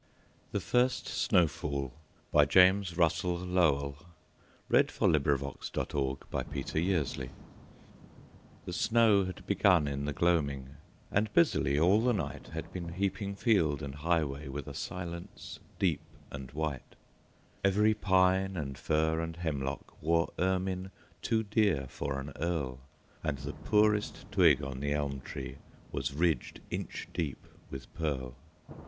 logy, 1787–1900. 1900. By James RussellLowell 351 The First Snow Fall THE SNOW had begun in the gloaming, And busily all the nightHad been heaping field and highwayWith a silence deep and white. Every pine and fir and hemlockWore ermine too dear for an earl, And the poorest twig on the elm treeWas ridged inch deep with pearl.